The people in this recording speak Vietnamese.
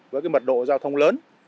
với cái mật độ giao thông lớn